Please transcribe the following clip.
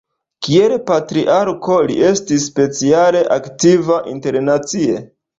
Kiel patriarko li estis speciale aktiva internacie.